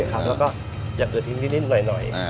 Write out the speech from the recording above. แล้วก็อยากเกิดทีมนิดหน่อย